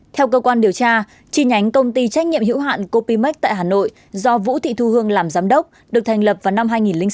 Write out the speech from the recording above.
theo cơ quan điều tra chi nhánh công ty trách nhiệm hữu hạn copimax tại hà nội do vũ thị thu hương làm giám đốc được thành lập vào năm hai nghìn sáu